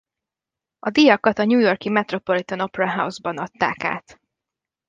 A díjakat a New York-i Metropolitan Opera House-ban adták át.